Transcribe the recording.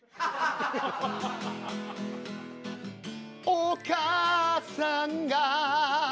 お母さんが。